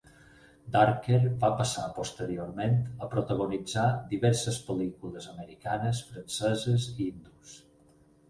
Dharker va passar posteriorment a protagonitzar diverses pel·lícules americanes, franceses i hindús.